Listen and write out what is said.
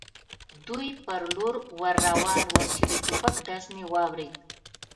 دوی پر لور ور روان ووم، چې د ټوپک ډز مې واورېد.